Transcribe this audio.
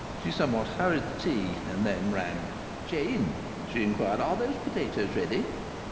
She somewhat hurried the tea; then rang. "Jane," she inquired, "are those potatoes ready?"